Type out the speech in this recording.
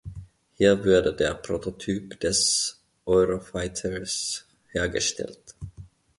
Hier wurde der Prototyp des Eurofighters hergestellt.